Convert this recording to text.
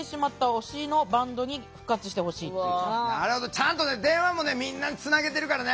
ちゃんとね電話もみんなにつなげてるからね。